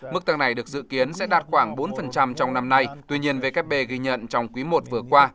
mức tăng này được dự kiến sẽ đạt khoảng bốn trong năm nay tuy nhiên vkp ghi nhận trong quý i vừa qua